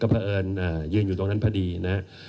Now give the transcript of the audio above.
เพราะเอิญยืนอยู่ตรงนั้นพอดีนะครับ